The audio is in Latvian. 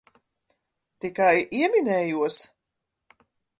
Tikai ieminējos.